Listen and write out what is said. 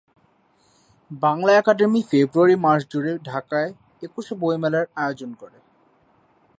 Bangla academy February মাস জুড়ে ঢাকায় একুশে বইমেলার আয়োজন করে।